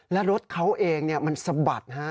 และรถเขาเองมันสะบัดฮะ